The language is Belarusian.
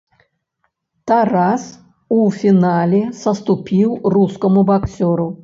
Тарас у фінале саступіў рускаму баксёру.